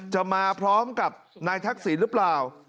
จะมาพร้อมกับนายทักษิณหรือเปล่า